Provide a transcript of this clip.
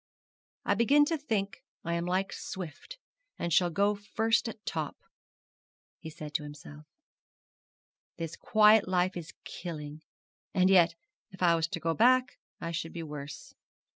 'I begin to think I am like Swift, and shall go first at top,' he said to himself; 'this quiet life is killing; and yet if I was to go back I should be worse.